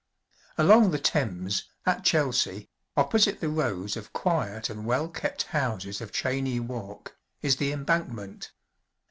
Along the Thames, at Chelsea, opposite the rows of quiet and well kept houses of Cheyne Walk, is the "Embankment."